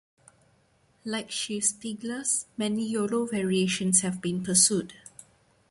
Like Schiefspieglers, many Yolo variations have been pursued.